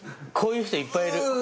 こういう人いっぱいいる。